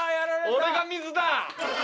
俺が水だ！